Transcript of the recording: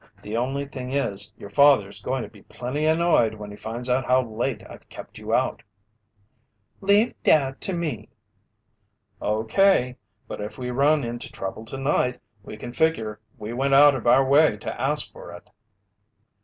The only thing is, your father's going to be plenty annoyed when he finds how late I've kept you out." "Leave Dad to me." "Okay, but if we run into trouble tonight, we can figure we went out of our way to ask for it."